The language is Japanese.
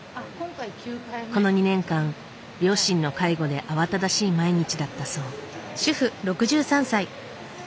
この２年間両親の介護で慌ただしい毎日だったそう。